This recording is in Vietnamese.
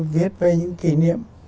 viết về những kỷ niệm